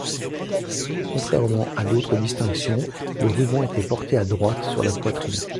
Contrairement à d'autres distinctions, le ruban était porté à droite sur la poitrine.